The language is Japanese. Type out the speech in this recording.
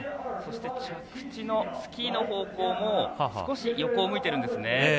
そして、着地のスキーの方向も少し横を向いてるんですね。